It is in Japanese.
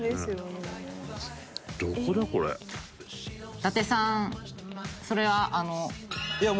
伊達さんそれはあの。